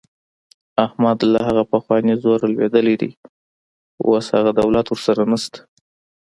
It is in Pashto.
احمد له هغه پخواني زوره لوېدلی دی. اوس هغه دولت ورسره نشته.